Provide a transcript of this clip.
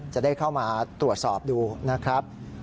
จะได้เข้ามาตรวจสอบดูนะครับ